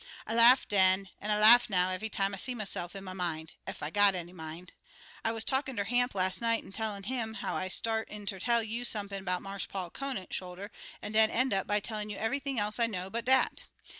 I laughed den, an' I laugh now eve'y time I see myse'f in my min' ef I' got any min'. I wuz talkin' ter Hamp las' night an' tellin' 'im how I start in ter tell you sump'n 'bout Marse Paul Conant' shoulder, an' den eend up by tellin' you eve'ything else I know but dat.